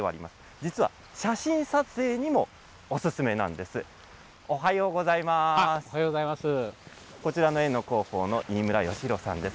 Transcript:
実は写真撮影にもお勧めなんです。